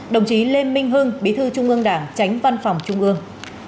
đồng chí lê minh hưng bí thư trung ương đảng tránh văn phòng trung ương